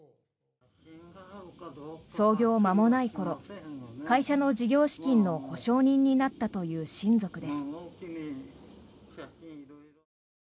創業間もない頃会社の事業資金の保証人になったという親族です。